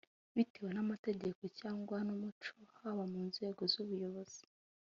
bitewe n’amategeko cyangwa n’umuco haba mu nzego z’ubuyobozi